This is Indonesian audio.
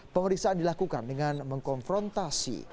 pemeriksaan dilakukan dengan mengkonfrontasi